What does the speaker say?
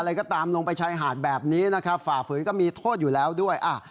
ตามลงไปชายหาดแบบนี้นะครับฝ่าฝืนก็มีโทษอยู่แล้วด้วย